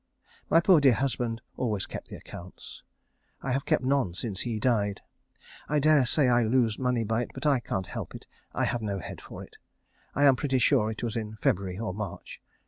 My poor dear husband always kept the accounts. I have kept none since he died. I dare say I lose money by it, but I can't help it. I have no head for it. I am pretty sure it was in February or March.